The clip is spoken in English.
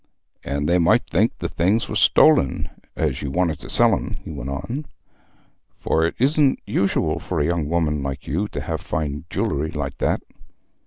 "And they might think the things were stolen, as you wanted to sell 'em," he went on, "for it isn't usual for a young woman like you to have fine jew'llery like that."